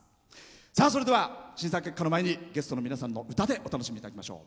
それでは審査結果の前にゲストのお二人の歌でお楽しみいただきましょう。